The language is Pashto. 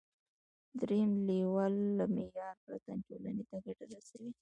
دریم لیول له معیار پرته ټولنې ته ګټه رسوي.